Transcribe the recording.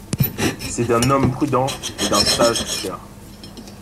C’est d’un homme prudent et d’un sage tuteur.